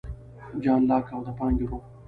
جان لاک او د پانګې روح